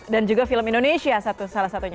dan juga film indonesia salah satunya